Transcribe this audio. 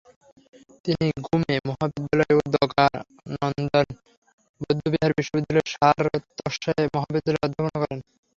তিনি গ্যুমে মহাবিদ্যালয় ও দ্গা'-ল্দান বৌদ্ধবিহার বিশ্ববিদ্যালয়ের শার-র্ত্সে মহাবিদ্যালয়ে অধ্যাপনা করেন।